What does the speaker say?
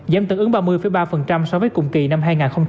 giảm tương ứng ba mươi ba so với cùng kỳ năm hai nghìn hai mươi ba